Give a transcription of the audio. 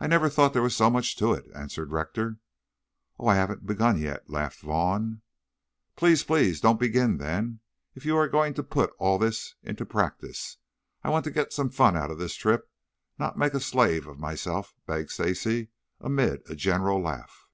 "I never thought there was so much to it," answered Rector. "Oh, I haven't begun yet," laughed Vaughn. "Please, please don't begin, then, if you are going to put all this into practice. I want to get some fun out of this trip, not make a slave of myself," begged Stacy amid a general laugh.